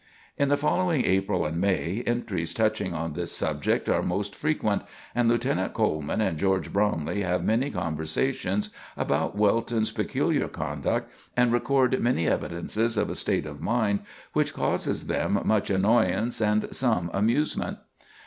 In the following April and May, entries touching on this subject are most frequent, and Lieutenant Coleman and George Bromley have many conversations about Welton's peculiar conduct, and record many evidences of a state of mind which causes them much annoyance and some amusement.